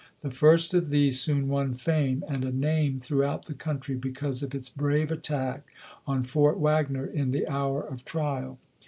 The first of these soon won fame and a name throughout the country because of its brave attack on Fort Wag ner in the hour of trial.